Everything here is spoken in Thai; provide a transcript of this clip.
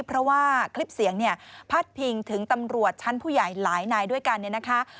เพราะว่าคลิปเสียงเนี่ยพัดพิงถึงตำรวจชั้นผู้ใหญ่หลายนายด้วยกันเนี่ยนะคะ